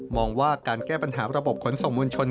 มองว่าการแก้ปัญหาระบบขนส่งมวลชน